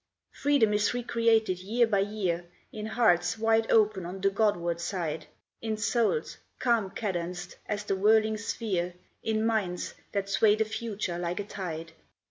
Freedom is recreated year by year, In hearts wide open on the Godward side, In souls calm cadenced as the whirling sphere, In minds that sway the future like a tide.